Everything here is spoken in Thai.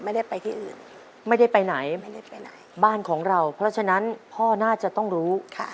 ไม่ได้ไปที่อื่นไม่ได้ไปไหนไม่ได้ไปไหนบ้านของเราเพราะฉะนั้นพ่อน่าจะต้องรู้